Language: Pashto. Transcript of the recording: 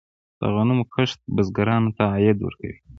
د غنمو کښت بزګرانو ته عاید ورکوي.